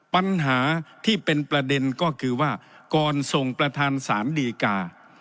ปัญหาที่เป็นประเด็นก็คือว่าก่อนส่งประธานสารดีกา